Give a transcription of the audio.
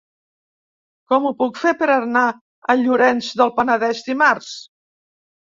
Com ho puc fer per anar a Llorenç del Penedès dimarts?